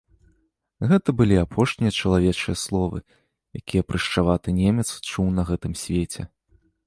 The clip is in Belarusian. Гэта былі апошнія чалавечыя словы, якія прышчаваты немец чуў на гэтым свеце.